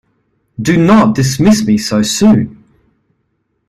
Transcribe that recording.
Do not dismiss me so soon!